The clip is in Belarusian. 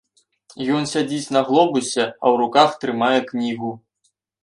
Ён сядзіць на глобусе, а ў руках трымае кнігу.